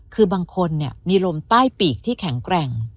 คือบางคนมีลมใต้ปีกที่แข็งแกร่ง